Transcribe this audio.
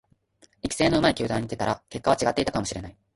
育成の上手い球団に行ってたら結果は違っていたかもしれない